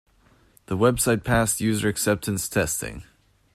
The website passed user acceptance testing.